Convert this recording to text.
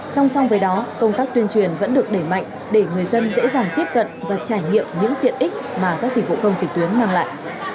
song song với đó công tác tuyên truyền vẫn được đẩy mạnh để người dân dễ dàng tiếp cận và trải nghiệm những tiện ích mà các dịch vụ công trực tuyến mang lại